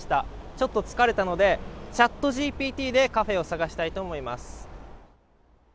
ちょっと疲れたので、ＣｈａｔＧＰＴでカフェを探したいと思います。